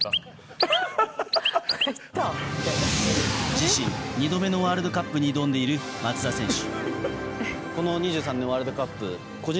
自身２度目のワールドカップに挑んでいる、松田選手。